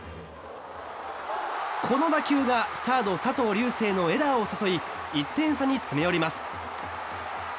この打球がサード、佐藤龍世のエラーを誘い１点差に詰め寄ります。